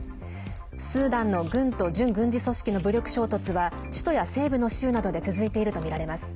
スーダンの軍と準軍事組織の武力衝突は首都や西部の州などで続いているとみられます。